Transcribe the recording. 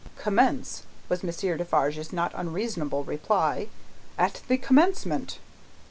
"Commence," was Monsieur Defarge's not unreasonable reply, "at the commencement."